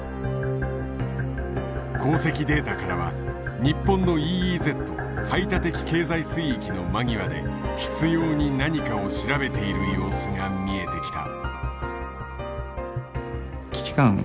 航跡データからは日本のＥＥＺ排他的経済水域の間際で執拗に何かを調べている様子が見えてきた。